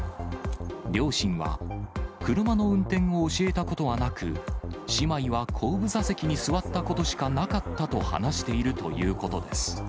両親は、車の運転を教えたことはなく、姉妹は後部座席に座ったことしかなかったと話しているということです。